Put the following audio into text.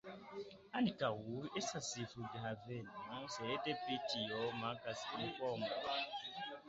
Ankaŭ estas flughaveno, sed pri tio mankas informoj.